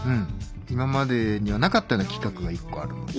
今までにはなかったような企画が一個あるので。